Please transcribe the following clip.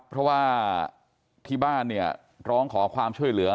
เพราะว่าที่บ้านเนี่ยร้องขอความช่วยเหลือ